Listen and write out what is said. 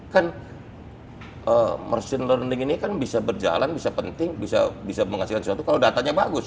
kan merchant learning ini kan bisa berjalan bisa penting bisa menghasilkan sesuatu kalau datanya bagus